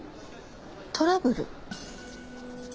トラブル？